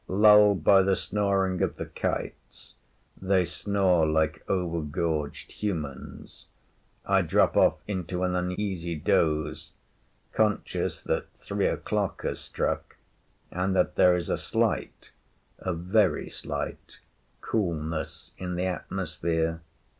Lulled by the snoring of the kites they snore like over gorged humans I drop off into an uneasy doze, conscious that three o’clock has struck, and that there is a slight a very slight coolness in the atmosphere.